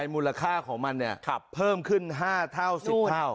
มูลค่าของมันเพิ่มขึ้น๕เท่า๑๐เท่า